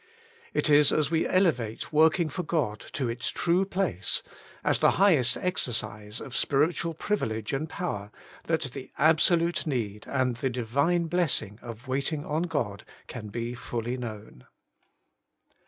It is as we elevate, working for God to its true place, as the highest exercise of spiritual privilege and power, that the absolute need and the divine blessing of waiting on God can be fully known.